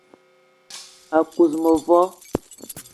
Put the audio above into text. A kuz mevo